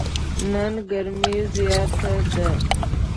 نن ګرمي زیاته ده.